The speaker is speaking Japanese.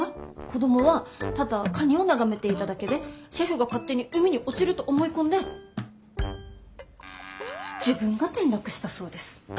子供はただカニを眺めていただけでシェフが勝手に海に落ちると思い込んで自分が転落したそうです。